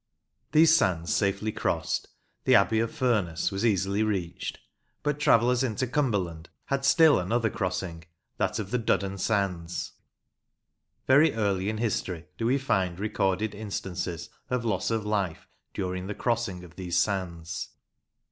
These sands safely crossed, the abbey of Furness was easily reached, but travellers into OLD TIME TRAVEL IN LANCASHIRE 57 Cumberland had still another crossing, that of the Duddon sands. Very early in history do we find recorded instances of loss of life during the crossing of these sands.